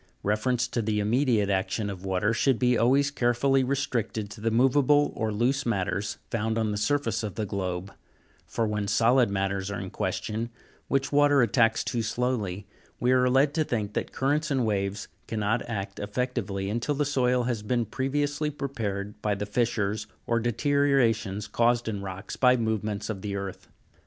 Reference to the immediate action of water should be always carefully restricted to the moveable or loose matters found on the surface of the globe ; for when solid matters are in question, which water attacks too slowly, we are led to CLASSIFICATION OF FORMATIONS. 181 Fig . 291. Fig. 292. Examples of rocks cut and fashioned by water. think that currents and waves cannot act effectively until the soil has been previously prepared by the fissures or deteriorations caused in rocks by movements of the earth.